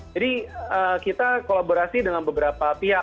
jadi kita kolaborasi dengan beberapa pihak